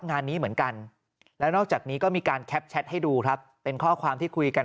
งานนี้เหมือนกันแล้วนอกจากนี้ก็มีการแคปแชทให้ดูครับเป็นข้อความที่คุยกัน